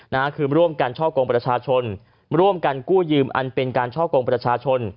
นะฮะคือร่วมกันช่อกงประชาชนร่วมกันกู้ยืมอันเป็นการช่อกงประชาชน